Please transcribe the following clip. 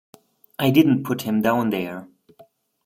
I didn't put him down there.